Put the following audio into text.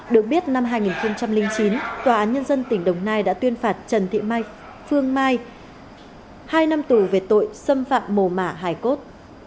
được biết năm hai nghìn chín tòa án nhân dân tỉnh đồng nai đã tuyên phạt trần thị phương mai hai năm tù về tội xâm phạm mồ mả hải cốt